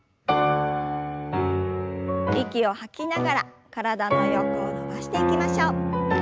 息を吐きながら体の横を伸ばしていきましょう。